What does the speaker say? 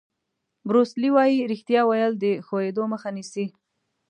بروس لي وایي ریښتیا ویل د ښویېدو مخه نیسي.